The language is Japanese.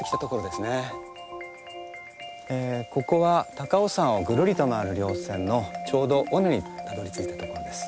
ここは高尾山をぐるりと回る稜線のちょうど尾根にたどりついたところです。